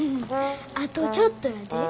あとちょっとやで。